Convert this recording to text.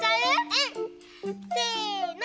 うん！せの！